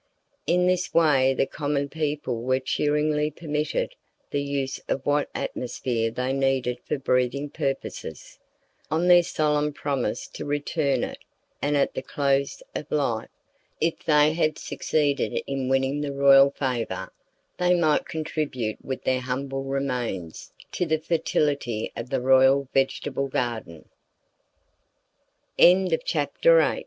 In this way the common people were cheerily permitted the use of what atmosphere they needed for breathing purposes, on their solemn promise to return it, and at the close of life, if they had succeeded in winning the royal favor, they might contribute with their humble remains to the fertility of the royal vegetable